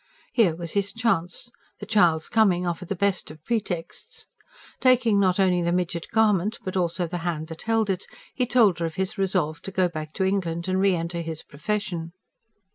Here was his chance: the child's coming offered the best of pretexts. Taking not only the midget garment but also the hand that held it, he told her of his resolve to go back to England and re enter his profession.